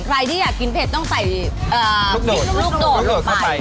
ใครที่อยากกินเผ็ดต้องใส่ลูกโดดลงไป